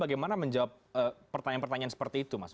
bagaimana menjawab pertanyaan pertanyaan seperti itu mas